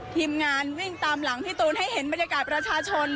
ทีมงานวิ่งตามหลังพี่ตูนให้เห็นบรรยากาศประชาชน